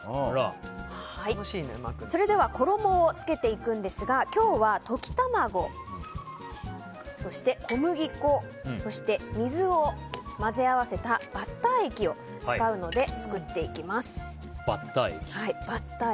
それでは衣をつけていくんですが今日は溶き卵そして、小麦粉、水を混ぜ合わせたバッター液を使うので作っていきます。